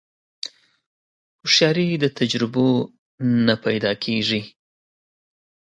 هوښیاري د تجربو نه پیدا کېږي.